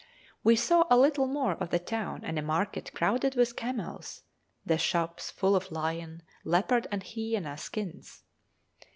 We saw a little more of the town and the market crowded with camels, the shops full of lion, leopard, and hyæna skins.